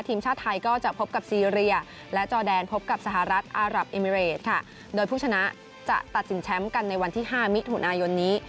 ทีมชาติไทยก็จะพบกับซีเรียและจอแดนพบกับสหรัฐอารับเอมิเรตค่ะโดยผู้ชนะจะตัดสินแชมป์กันในวันที่ห้ามิถุนายนนี้